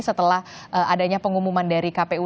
setelah adanya pengumuman dari kpu